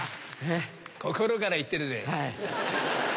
心から言ってるぜ。